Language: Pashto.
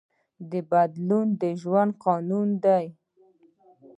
بدلون د ژوند قانون دی.